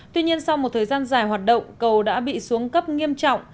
tuy nhiên sau một thời gian dài hoạt động cầu đã bị xuống cấp nghiêm trọng